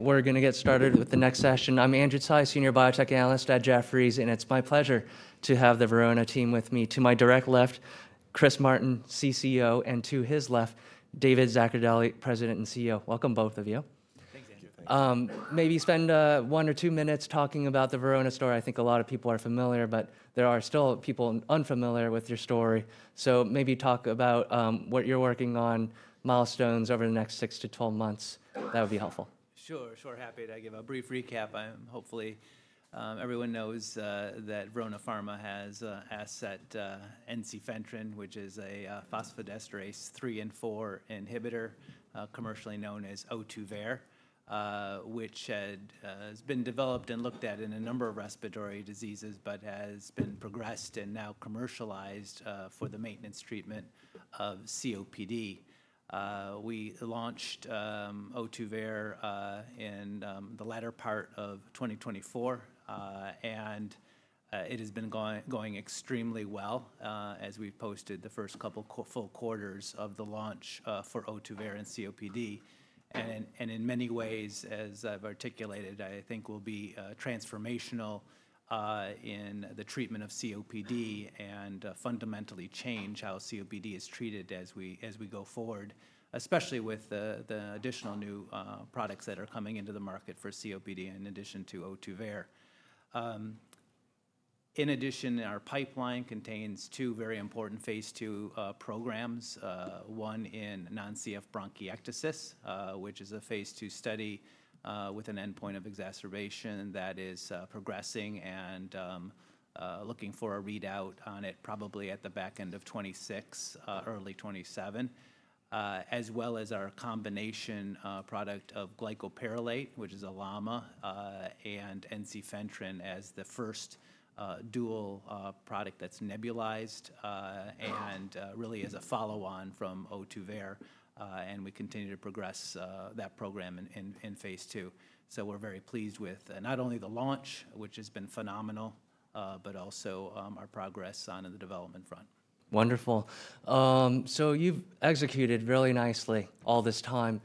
We're going to get started with the next session. I'm Andrew Tsai, Senior Biotech Analyst at Jefferies, and it's my pleasure to have the Verona team with me. To my direct left, Chris Martin, CCO, and to his left, David Zaccardelli, President and CEO. Welcome, both of you. Thanks, Andrew. Maybe spend one or two minutes talking about the Verona story. I think a lot of people are familiar, but there are still people unfamiliar with your story. So maybe talk about what you're working on, milestones over the next 6 to 12 months. That would be helpful. Sure, sure. Happy to give a brief recap. Hopefully, everyone knows that Verona Pharma has asset ensifentrine, which is a phosphodiesterase 3 and 4 inhibitor, commercially known as Ohtuvayre, which has been developed and looked at in a number of respiratory diseases, but has been progressed and now commercialized for the maintenance treatment of COPD. We launched Ohtuvayre in the latter part of 2024, and it has been going extremely well as we've posted the first couple full quarters of the launch for Ohtuvayre and COPD. In many ways, as I've articulated, I think will be transformational in the treatment of COPD and fundamentally change how COPD is treated as we go forward, especially with the additional new products that are coming into the market for COPD in addition to Ohtuvayre. In addition, our pipeline contains two very important phase II programs. One in non-CF bronchiectasis, which is a phase II study with an endpoint of exacerbation that is progressing and looking for a readout on it probably at the back end of 2026, early 2027, as well as our combination product of glycopyrrolate, which is a LAMA, and NC Ventrin as the first dual product that's nebulized and really as a follow-on from Ohtuvayre. We continue to progress that program in phase II. We are very pleased with not only the launch, which has been phenomenal, but also our progress on the development front. Wonderful. You have executed really nicely all this time.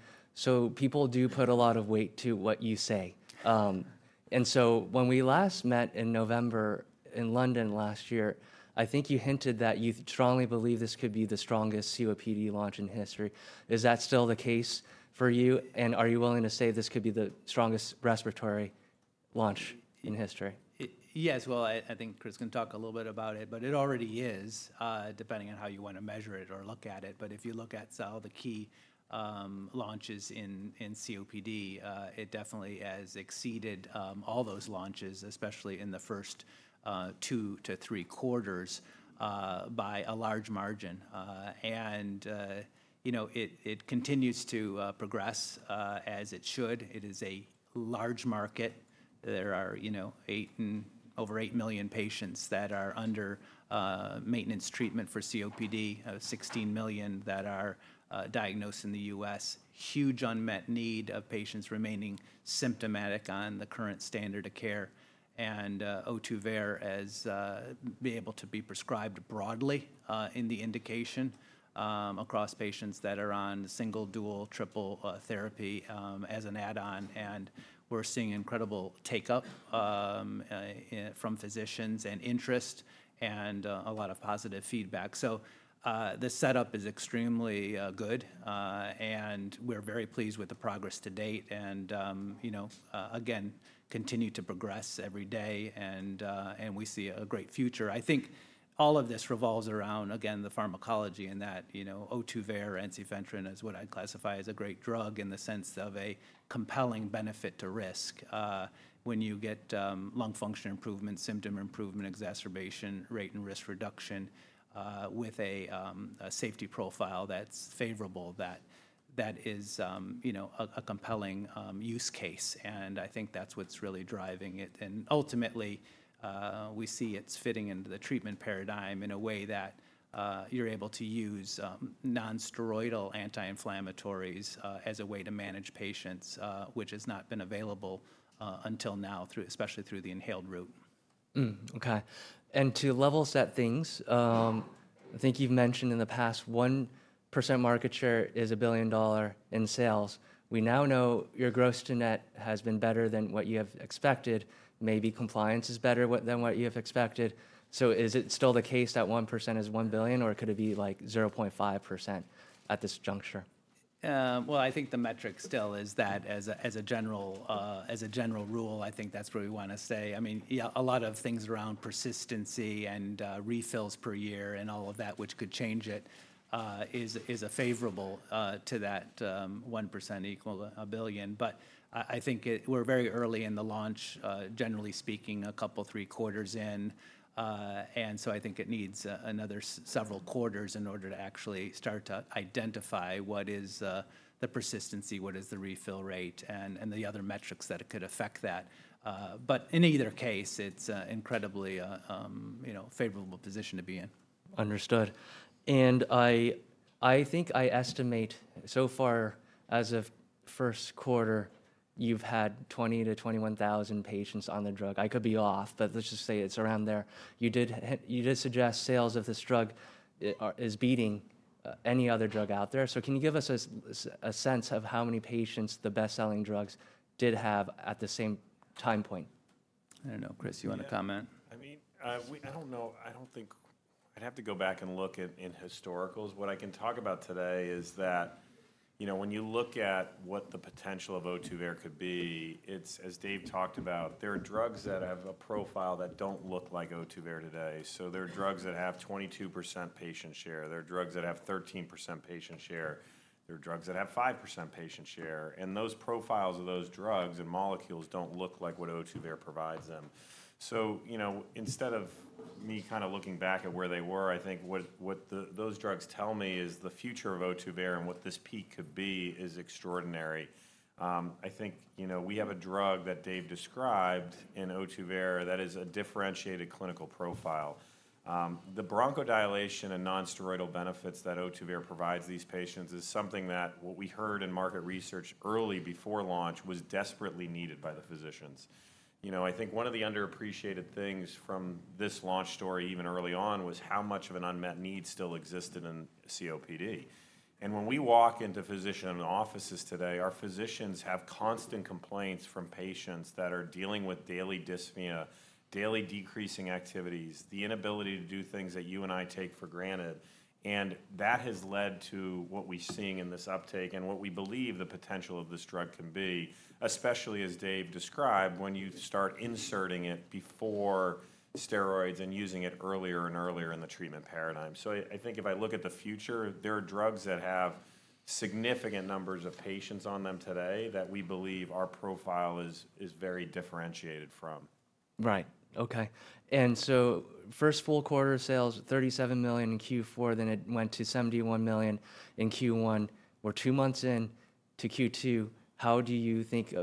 People do put a lot of weight to what you say. When we last met in November in London last year, I think you hinted that you strongly believe this could be the strongest COPD launch in history. Is that still the case for you? Are you willing to say this could be the strongest respiratory launch in history? Yes. I think Chris can talk a little bit about it, but it already is, depending on how you want to measure it or look at it. If you look at all the key launches in COPD, it definitely has exceeded all those launches, especially in the first two to three quarters, by a large margin. It continues to progress as it should. It is a large market. There are over 8 million patients that are under maintenance treatment for COPD, 16 million that are diagnosed in the U.S., huge unmet need of patients remaining symptomatic on the current standard of care, and Ohtuvayre as being able to be prescribed broadly in the indication across patients that are on single, dual, triple therapy as an add-on. We are seeing incredible take-up from physicians and interest and a lot of positive feedback. The setup is extremely good, and we're very pleased with the progress to date and, again, continue to progress every day. We see a great future. I think all of this revolves around, again, the pharmacology and that Ohtuvayre, ensifentrine is what I classify as a great drug in the sense of a compelling benefit to risk when you get lung function improvement, symptom improvement, exacerbation rate, and risk reduction with a safety profile that's favorable. That is a compelling use case. I think that's what's really driving it. Ultimately, we see it's fitting into the treatment paradigm in a way that you're able to use nonsteroidal anti-inflammatories as a way to manage patients, which has not been available until now, especially through the inhaled route. Okay. To level set things, I think you've mentioned in the past, 1% market share is a $1 billion in sales. We now know your gross to net has been better than what you have expected. Maybe compliance is better than what you have expected. Is it still the case that 1% is $1 billion, or could it be like 0.5% at this juncture? I think the metric still is that as a general rule, I think that's where we want to stay. I mean, a lot of things around persistency and refills per year and all of that, which could change it, is favorable to that 1% equal a billion. I think we're very early in the launch, generally speaking, a couple, three quarters in. I think it needs another several quarters in order to actually start to identify what is the persistency, what is the refill rate, and the other metrics that could affect that. In either case, it's an incredibly favorable position to be in. Understood. I think I estimate so far as of first quarter, you've had 20,000 patients-21,000 patients on the drug. I could be off, but let's just say it's around there. You did suggest sales of this drug is beating any other drug out there. Can you give us a sense of how many patients the best-selling drugs did have at the same time point? I don't know. Chris, you want to comment? I mean, I don't know. I don't think I'd have to go back and look at historicals. What I can talk about today is that when you look at what the potential of Ohtuvayre could be, it's, as Dave talked about, there are drugs that have a profile that don't look like Ohtuvayre today. There are drugs that have 22% patient share. There are drugs that have 13% patient share. There are drugs that have 5% patient share. Those profiles of those drugs and molecules don't look like what Ohtuvayre provides them. Instead of me kind of looking back at where they were, I think what those drugs tell me is the future of Ohtuvayre and what this peak could be is extraordinary. I think we have a drug that Dave described in Ohtuvayre that is a differentiated clinical profile. The bronchodilation and nonsteroidal benefits that Ohtuvayre provides these patients is something that, what we heard in market research early before launch, was desperately needed by the physicians. I think one of the underappreciated things from this launch story, even early on, was how much of an unmet need still existed in COPD. When we walk into physician offices today, our physicians have constant complaints from patients that are dealing with daily dyspnea, daily decreasing activities, the inability to do things that you and I take for granted. That has led to what we're seeing in this uptake and what we believe the potential of this drug can be, especially as Dave described, when you start inserting it before steroids and using it earlier and earlier in the treatment paradigm. I think if I look at the future, there are drugs that have significant numbers of patients on them today that we believe our profile is very differentiated from. Right. Okay. First full quarter sales, $37 million in Q4, then it went to $71 million in Q1. We're two months in to Q2. How do you think,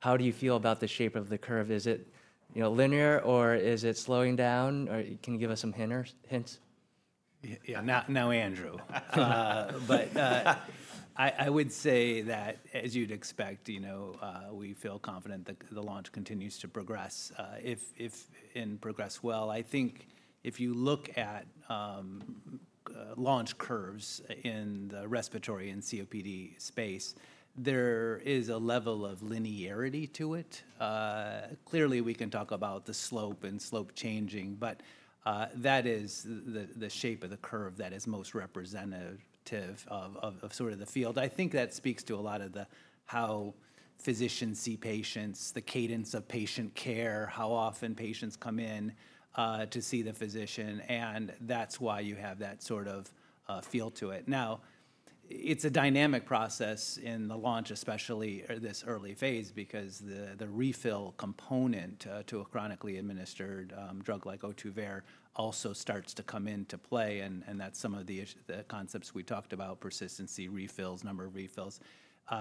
how do you feel about the shape of the curve? Is it linear or is it slowing down? Or can you give us some hints? Yeah, not now, Andrew. I would say that, as you'd expect, we feel confident that the launch continues to progress and progress well. I think if you look at launch curves in the respiratory and COPD space, there is a level of linearity to it. Clearly, we can talk about the slope and slope changing, but that is the shape of the curve that is most representative of sort of the field. I think that speaks to a lot of how physicians see patients, the cadence of patient care, how often patients come in to see the physician. That is why you have that sort of feel to it. Now, it is a dynamic process in the launch, especially this early phase, because the refill component to a chronically administered drug like Ohtuvayre also starts to come into play. That is some of the concepts we talked about, persistency, refills, number of refills. We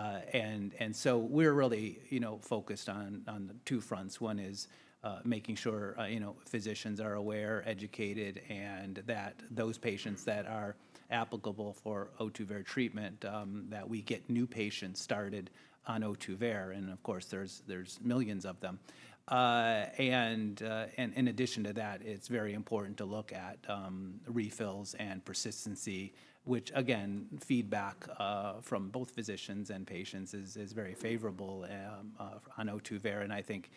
are really focused on two fronts. One is making sure physicians are aware, educated, and that those patients that are applicable for Ohtuvayre treatment, that we get new patients started on Ohtuvayre. Of course, there are millions of them. In addition to that, it is very important to look at refills and persistency, which, again, feedback from both physicians and patients is very favorable on Ohtuvayre. I think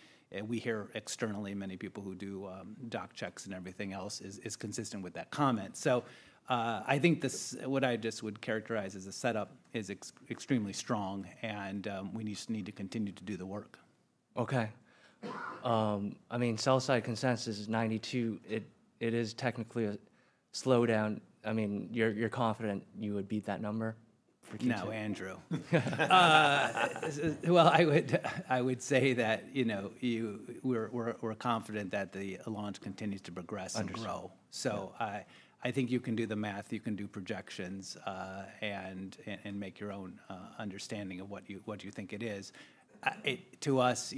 we hear externally many people who do doc checks and everything else is consistent with that comment. I think what I just would characterize as a setup is extremely strong, and we just need to continue to do the work. Okay. I mean, sell-side consensus is 92. It is technically a slowdown. I mean, you're confident you would beat that number? Now, Andrew. I would say that we're confident that the launch continues to progress and grow. I think you can do the math, you can do projections, and make your own understanding of what you think it is. To us,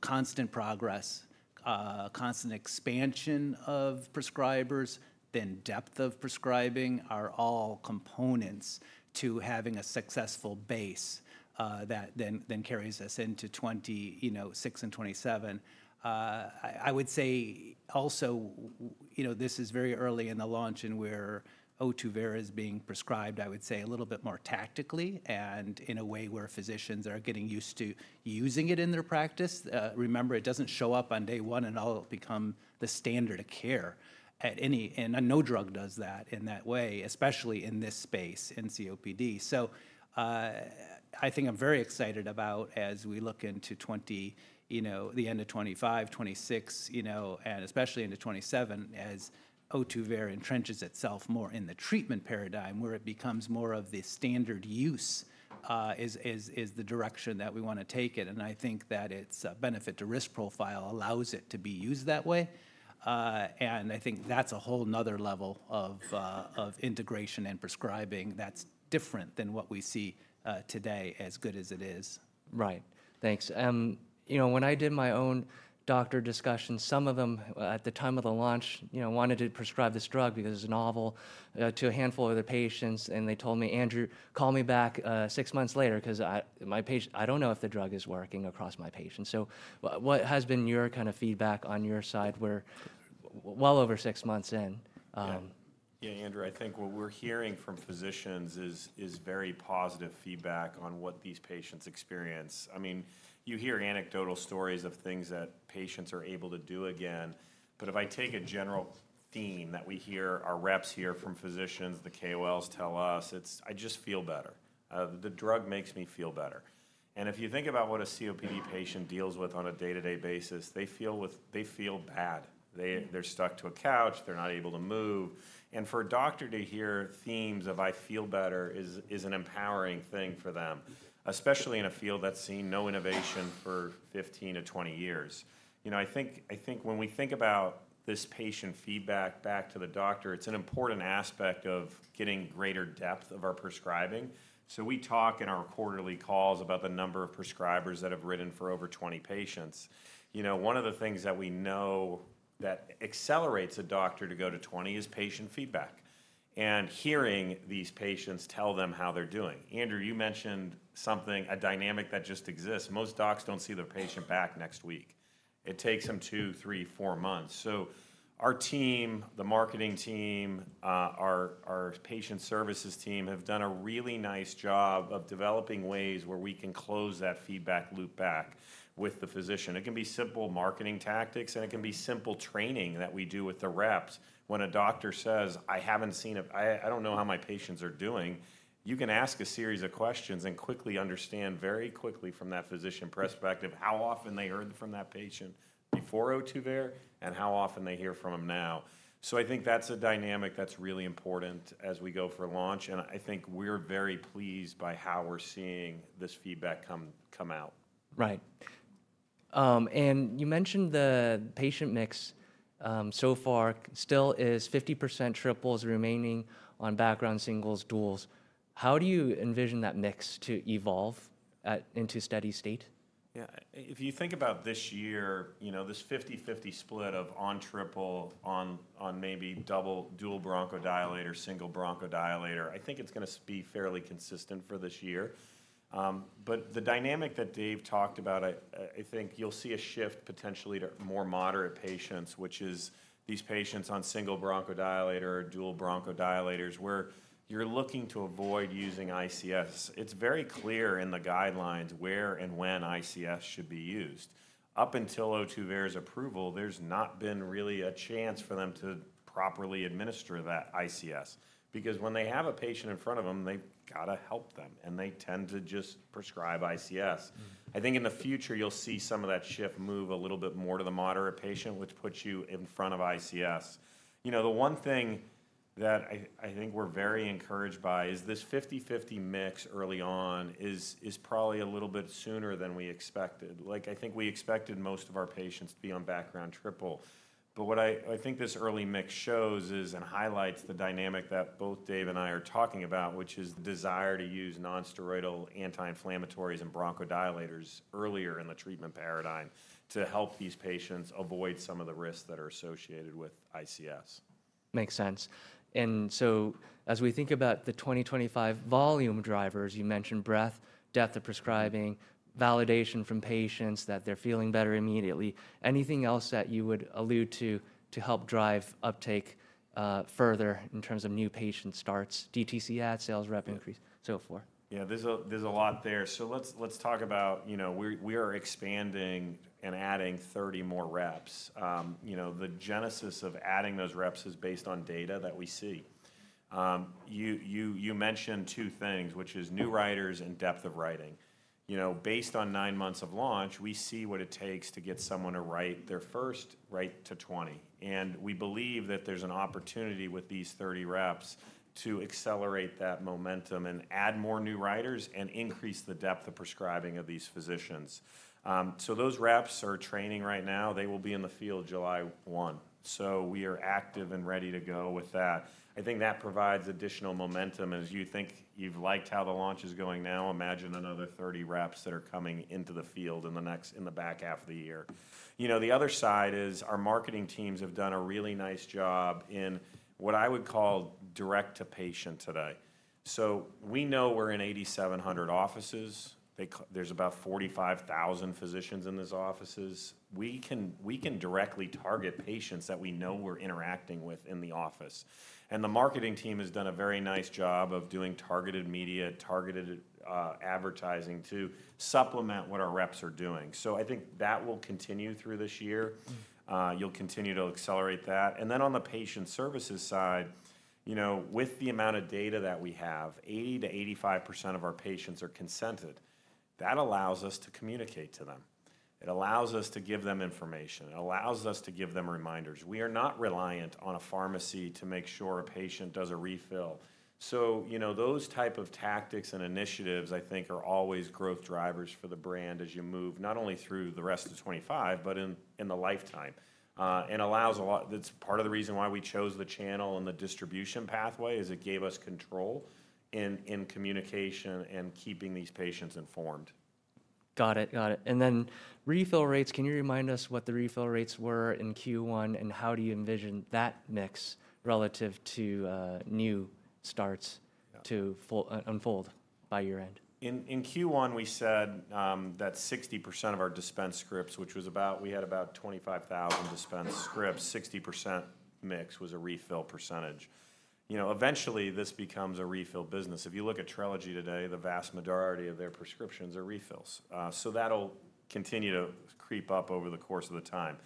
constant progress, constant expansion of prescribers, then depth of prescribing are all components to having a successful base that then carries us into 2026 and 2027. I would say also, this is very early in the launch and where Ohtuvayre is being prescribed, I would say a little bit more tactically and in a way where physicians are getting used to using it in their practice. Remember, it does not show up on day one and all become the standard of care. No drug does that in that way, especially in this space in COPD. I think I'm very excited about as we look into the end of 2025, 2026, and especially into 2027, as Ohtuvayre entrenches itself more in the treatment paradigm where it becomes more of the standard use is the direction that we want to take it. I think that its benefit to risk profile allows it to be used that way. I think that's a whole another level of integration and prescribing that's different than what we see today as good as it is. Right. Thanks. When I did my own doctor discussion, some of them at the time of the launch wanted to prescribe this drug because it's novel to a handful of the patients. And they told me, "Andrew, call me back six months later because I don't know if the drug is working across my patients." What has been your kind of feedback on your side? We're well over six months in. Yeah, Andrew, I think what we're hearing from physicians is very positive feedback on what these patients experience. I mean, you hear anecdotal stories of things that patients are able to do again. If I take a general theme that we hear, our reps hear from physicians, the KOLs tell us, "I just feel better. The drug makes me feel better." If you think about what a COPD patient deals with on a day-to-day basis, they feel bad. They're stuck to a couch. They're not able to move. For a doctor to hear themes of, "I feel better," is an empowering thing for them, especially in a field that's seen no innovation for 15 to 20 years. I think when we think about this patient feedback back to the doctor, it's an important aspect of getting greater depth of our prescribing. We talk in our quarterly calls about the number of prescribers that have written for over 20 patients. One of the things that we know that accelerates a doctor to go to 20 is patient feedback and hearing these patients tell them how they're doing. Andrew, you mentioned something, a dynamic that just exists. Most docs don't see their patient back next week. It takes them two, three, four months. Our team, the marketing team, our patient services team have done a really nice job of developing ways where we can close that feedback loop back with the physician. It can be simple marketing tactics, and it can be simple training that we do with the reps. When a doctor says, "I haven't seen it. I don't know how my patients are doing," you can ask a series of questions and quickly understand very quickly from that physician perspective how often they heard from that patient before Ohtuvayre and how often they hear from them now. I think that's a dynamic that's really important as we go for launch. I think we're very pleased by how we're seeing this feedback come out. Right. You mentioned the patient mix so far still is 50% triples remaining on background singles, duals. How do you envision that mix to evolve into steady state? Yeah. If you think about this year, this 50/50 split of on triple, on maybe double dual bronchodilator, single bronchodilator, I think it's going to be fairly consistent for this year. The dynamic that Dave talked about, I think you'll see a shift potentially to more moderate patients, which is these patients on single bronchodilator, dual bronchodilators where you're looking to avoid using ICS. It's very clear in the guidelines where and when ICS should be used. Up until Ohtuvayre's approval, there's not been really a chance for them to properly administer that ICS because when they have a patient in front of them, they've got to help them, and they tend to just prescribe ICS. I think in the future, you'll see some of that shift move a little bit more to the moderate patient, which puts you in front of ICS. The one thing that I think we're very encouraged by is this 50/50 mix early on is probably a little bit sooner than we expected. I think we expected most of our patients to be on background triple. What I think this early mix shows is and highlights the dynamic that both Dave and I are talking about, which is the desire to use nonsteroidal anti-inflammatories and bronchodilators earlier in the treatment paradigm to help these patients avoid some of the risks that are associated with ICS. Makes sense. As we think about the 2025 volume drivers, you mentioned breadth, depth of prescribing, validation from patients that they're feeling better immediately. Anything else that you would allude to to help drive uptake further in terms of new patient starts, DTC ad, sales rep increase, so forth? Yeah, there's a lot there. Let's talk about we are expanding and adding 30 more reps. The genesis of adding those reps is based on data that we see. You mentioned two things, which is new writers and depth of writing. Based on nine months of launch, we see what it takes to get someone to write their first write to 20. We believe that there's an opportunity with these 30 reps to accelerate that momentum and add more new writers and increase the depth of prescribing of these physicians. Those reps are training right now. They will be in the field July 1. We are active and ready to go with that. I think that provides additional momentum. As you think you've liked how the launch is going now, imagine another 30 reps that are coming into the field in the back half of the year. The other side is our marketing teams have done a really nice job in what I would call direct to patient today. We know we're in 8,700 offices. There's about 45,000 physicians in those offices. We can directly target patients that we know we're interacting with in the office. The marketing team has done a very nice job of doing targeted media, targeted advertising to supplement what our reps are doing. I think that will continue through this year. You'll continue to accelerate that. On the patient services side, with the amount of data that we have, 80%-85% of our patients are consented. That allows us to communicate to them. It allows us to give them information. It allows us to give them reminders. We are not reliant on a pharmacy to make sure a patient does a refill. Those types of tactics and initiatives, I think, are always growth drivers for the brand as you move not only through the rest of 2025, but in the lifetime. It is part of the reason why we chose the channel and the distribution pathway, as it gave us control in communication and keeping these patients informed. Got it. Got it. And then refill rates, can you remind us what the refill rates were in Q1 and how do you envision that mix relative to new starts to unfold by year end? In Q1, we said that 60% of our dispense scripts, which was about we had about 25,000 dispense scripts, 60% mix was a refill percentage. Eventually, this becomes a refill business. If you look at Trelegy today, the vast majority of their prescriptions are refills. That will continue to creep up over the course of the time.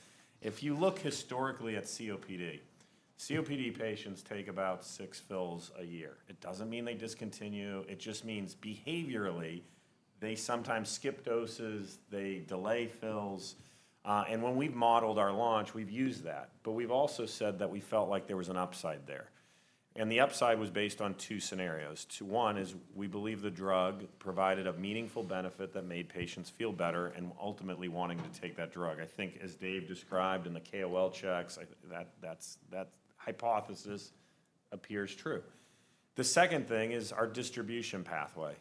If you look historically at COPD, COPD patients take about six fills a year. It does not mean they discontinue. It just means behaviorally, they sometimes skip doses, they delay fills. When we have modeled our launch, we have used that. We have also said that we felt like there was an upside there. The upside was based on two scenarios. One is we believe the drug provided a meaningful benefit that made patients feel better and ultimately wanting to take that drug. I think as Dave described in the KOL checks, that hypothesis appears true. The second thing is our distribution pathway.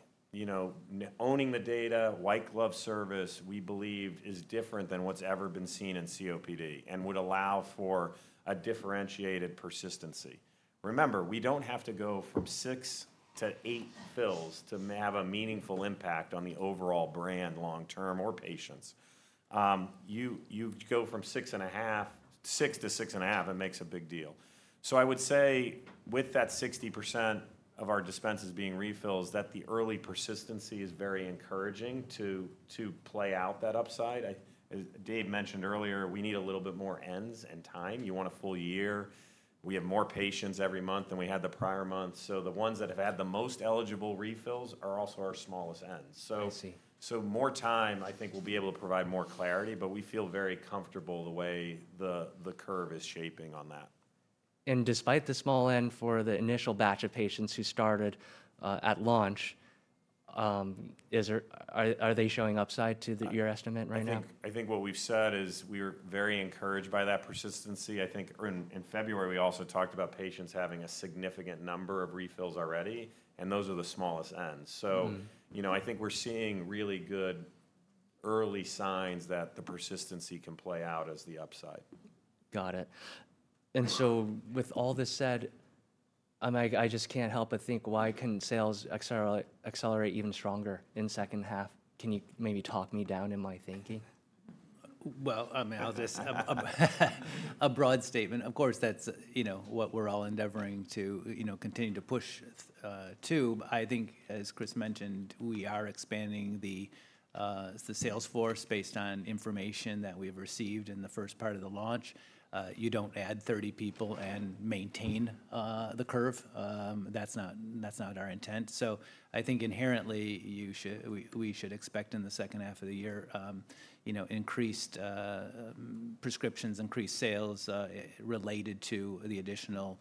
Owning the data, white glove service, we believe is different than what's ever been seen in COPD and would allow for a differentiated persistency. Remember, we don't have to go from six to eight fills to have a meaningful impact on the overall brand long-term or patients. You go from six and a half, six to six and a half, it makes a big deal. I would say with that 60% of our dispenses being refills, that the early persistency is very encouraging to play out that upside. As Dave mentioned earlier, we need a little bit more ends and time. You want a full year. We have more patients every month than we had the prior month. The ones that have had the most eligible refills are also our smallest ends. More time, I think we'll be able to provide more clarity, but we feel very comfortable the way the curve is shaping on that. Despite the small end for the initial batch of patients who started at launch, are they showing upside to your estimate right now? I think what we've said is we were very encouraged by that persistency. I think in February, we also talked about patients having a significant number of refills already, and those are the smallest ends. I think we're seeing really good early signs that the persistency can play out as the upside. Got it. With all this said, I just can't help but think, why can sales accelerate even stronger in the second half? Can you maybe talk me down in my thinking? I mean, I'll just a broad statement. Of course, that's what we're all endeavoring to continue to push to. I think, as Chris mentioned, we are expanding the sales force based on information that we've received in the first part of the launch. You don't add 30 people and maintain the curve. That's not our intent. I think inherently, we should expect in the second half of the year, increased prescriptions, increased sales related to the additional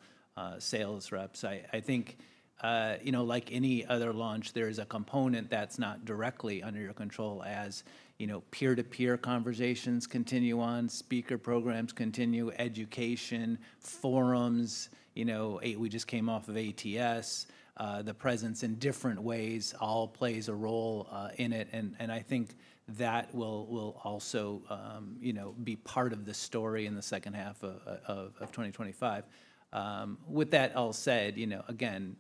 sales reps. I think, like any other launch, there is a component that's not directly under your control as peer-to-peer conversations continue on, speaker programs continue, education, forums. We just came off of ATS. The presence in different ways all plays a role in it. I think that will also be part of the story in the second half of 2025. With that all said, again,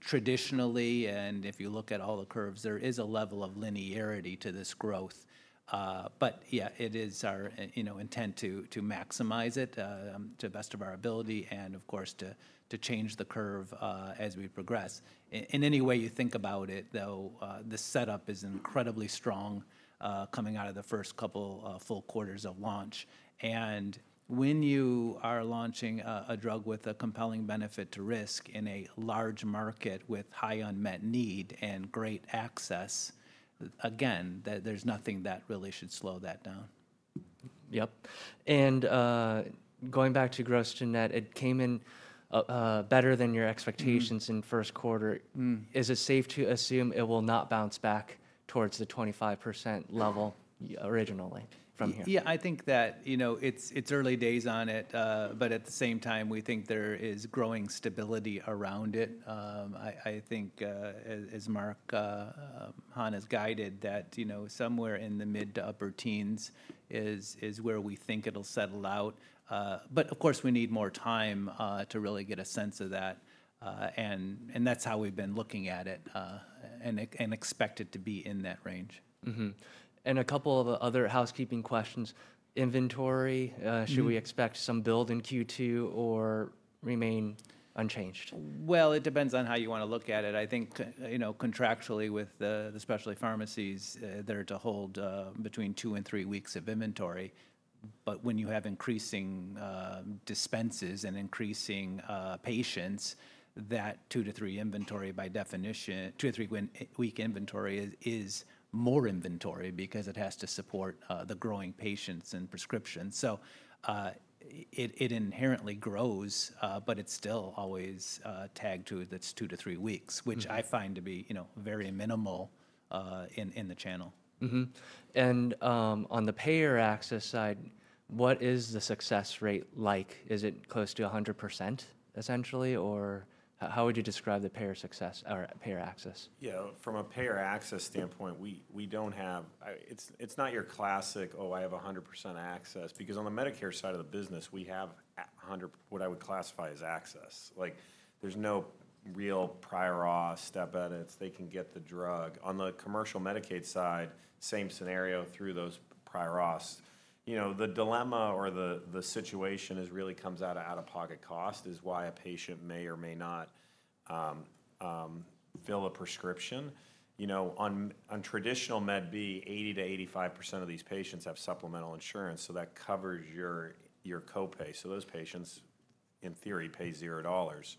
traditionally, and if you look at all the curves, there is a level of linearity to this growth. It is our intent to maximize it to the best of our ability and, of course, to change the curve as we progress. In any way you think about it, though, the setup is incredibly strong coming out of the first couple full quarters of launch. When you are launching a drug with a compelling benefit to risk in a large market with high unmet need and great access, again, there is nothing that really should slow that down. Yep. And going back to gross genet, it came in better than your expectations in first quarter. Is it safe to assume it will not bounce back towards the 25% level originally from here? Yeah, I think that it's early days on it, but at the same time, we think there is growing stability around it. I think, as Marc has guided, that somewhere in the mid to upper teens is where we think it'll settle out. Of course, we need more time to really get a sense of that. That's how we've been looking at it and expect it to be in that range. A couple of other housekeeping questions. Inventory, should we expect some build in Q2 or remain unchanged? It depends on how you want to look at it. I think contractually with the specialty pharmacies, they're to hold between two and three weeks of inventory. But when you have increasing dispenses and increasing patients, that two to three week inventory by definition, two to three week inventory is more inventory because it has to support the growing patients and prescriptions. It inherently grows, but it's still always tagged to that two to three weeks, which I find to be very minimal in the channel. On the payer access side, what is the success rate like? Is it close to 100%, essentially, or how would you describe the payer success or payer access? Yeah, from a payer access standpoint, we don't have, it's not your classic, "Oh, I have 100% access," because on the Medicare side of the business, we have what I would classify as access. There's no real prior auth step edits. They can get the drug. On the commercial Medicaid side, same scenario through those prior auths. The dilemma or the situation really comes out of out-of-pocket cost is why a patient may or may not fill a prescription. On traditional Med B, 80%-85% of these patients have supplemental insurance, so that covers your copay. So those patients, in theory, pay $0.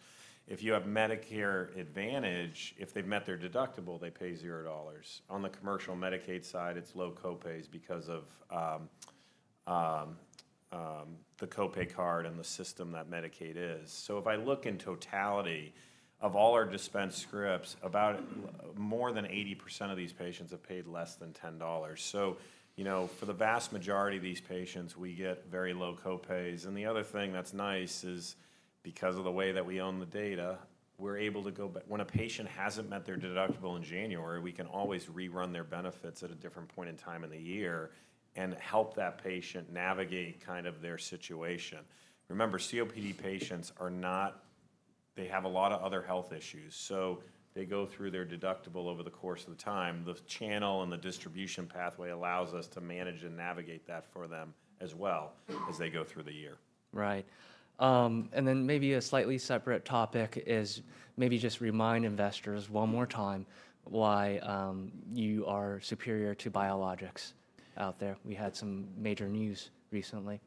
If you have Medicare Advantage, if they've met their deductible, they pay $0. On the commercial Medicaid side, it's low copays because of the copay card and the system that Medicaid is. If I look in totality, of all our dispense scripts, about more than 80% of these patients have paid less than $10. For the vast majority of these patients, we get very low copays. The other thing that's nice is because of the way that we own the data, we're able to go when a patient hasn't met their deductible in January, we can always rerun their benefits at a different point in time in the year and help that patient navigate kind of their situation. Remember, COPD patients are not, they have a lot of other health issues. They go through their deductible over the course of the time. The channel and the distribution pathway allows us to manage and navigate that for them as well as they go through the year. Right. Maybe a slightly separate topic is maybe just remind investors one more time why you are superior to biologics out there. We had some major news recently.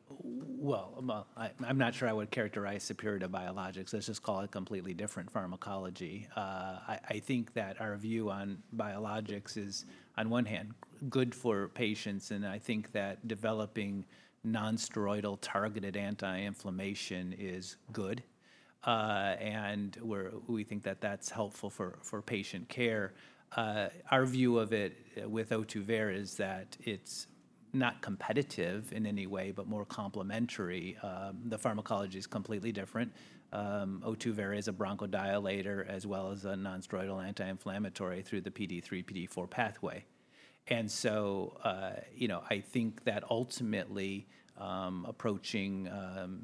I'm not sure I would characterize superior to biologics. Let's just call it completely different pharmacology. I think that our view on biologics is, on one hand, good for patients. I think that developing nonsteroidal targeted anti-inflammation is good. We think that that's helpful for patient care. Our view of it with Ohtuvayre is that it's not competitive in any way, but more complementary. The pharmacology is completely different. Ohtuvayre is a bronchodilator as well as a nonsteroidal anti-inflammatory through the PDE3, PDE4 pathway. I think that ultimately approaching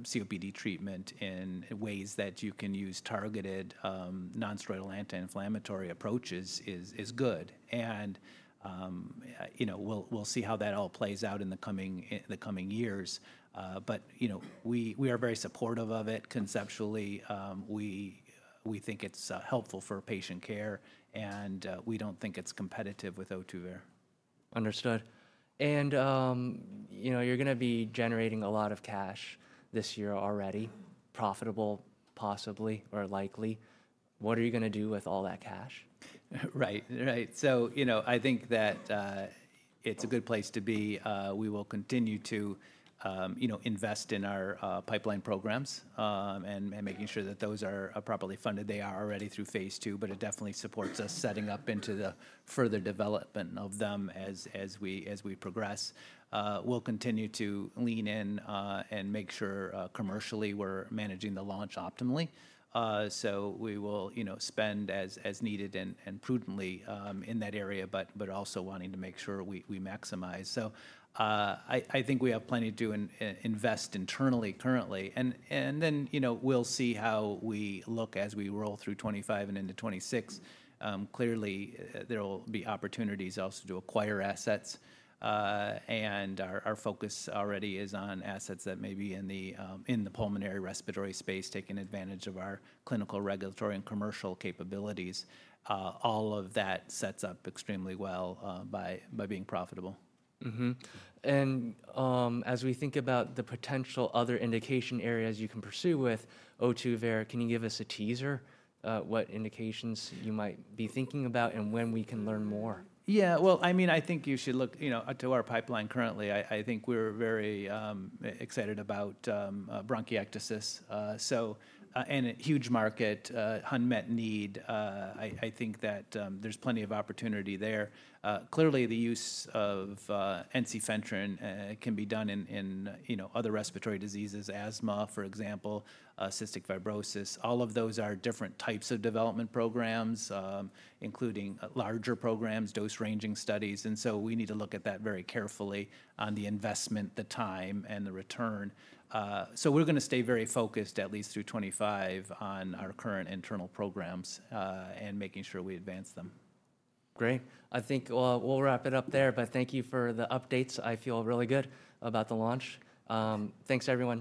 COPD treatment in ways that you can use targeted nonsteroidal anti-inflammatory approaches is good. We'll see how that all plays out in the coming years. We are very supportive of it conceptually. We think it's helpful for patient care, and we don't think it's competitive with Ohtuvayre. Understood. You're going to be generating a lot of cash this year already, profitable possibly or likely. What are you going to do with all that cash? Right. Right. I think that it's a good place to be. We will continue to invest in our pipeline programs and making sure that those are properly funded. They are already through phase II, but it definitely supports us setting up into the further development of them as we progress. We'll continue to lean in and make sure commercially we're managing the launch optimally. We will spend as needed and prudently in that area, but also wanting to make sure we maximize. I think we have plenty to do and invest internally currently. We'll see how we look as we roll through 2025 and into 2026. Clearly, there will be opportunities also to acquire assets. Our focus already is on assets that may be in the pulmonary respiratory space, taking advantage of our clinical, regulatory, and commercial capabilities. All of that sets up extremely well by being profitable. As we think about the potential other indication areas you can pursue with Ohtuvayre, can you give us a teaser what indications you might be thinking about and when we can learn more? Yeah. I mean, I think you should look to our pipeline currently. I think we're very excited about bronchiectasis. And a huge market, unmet need. I think that there's plenty of opportunity there. Clearly, the use of ensifentrine can be done in other respiratory diseases, asthma, for example, cystic fibrosis. All of those are different types of development programs, including larger programs, dose-ranging studies. I mean, we need to look at that very carefully on the investment, the time, and the return. We're going to stay very focused, at least through 2025, on our current internal programs and making sure we advance them. Great. I think we'll wrap it up there, but thank you for the updates. I feel really good about the launch. Thanks, everyone.